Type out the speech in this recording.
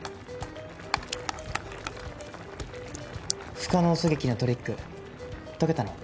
不可能狙撃のトリック解けたの？